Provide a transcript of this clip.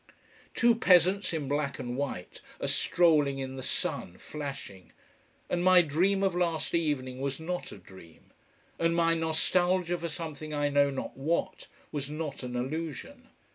Two peasants in black and white are strolling in the sun, flashing. And my dream of last evening was not a dream. And my nostalgia for something I know not what was not an illusion.